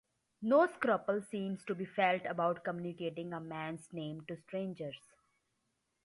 No scruple seems to be felt about communicating a man's name to strangers.